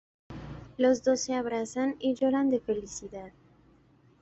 Los dos se abrazan y lloran de felicidad.